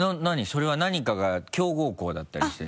それは何かが強豪校だったりして？